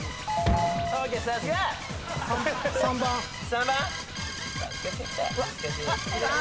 ３番。